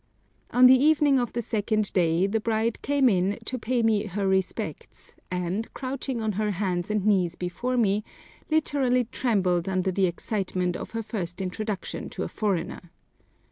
On the evening of the second day, the bride came in to pay me her respects, and, crouching on her hands and knees before me, literally trembled under the excitement of her first introduction to a foreigner.